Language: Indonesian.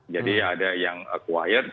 jadi ada yang acquired